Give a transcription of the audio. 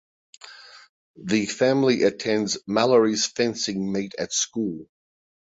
The family attends Mallory's fencing meet at school.